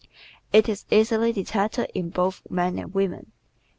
It is easily detected in both men and women.